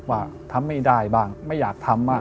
ว่าทำไม่ได้บ้างไม่อยากทำบ้าง